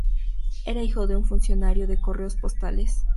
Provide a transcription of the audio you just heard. Era hijo de un funcionario de correos postales.